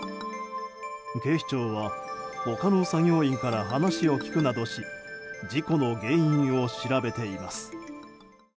警視庁は、他の作業員から話を聞くなどし事故の原因を調べています。